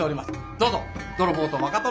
どうぞ「泥棒と若殿」